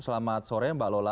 selamat sore mbak lola